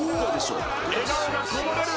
笑顔がこぼれる！